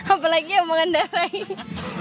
apa lagi ya omongan darah ini